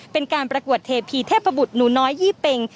เป็นการประกวดเทพีเทพบุตรหนูน้อยยี่เป็ง